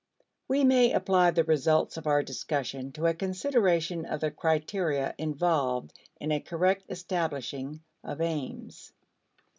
We may apply the results of our discussion to a consideration of the criteria involved in a correct establishing of aims.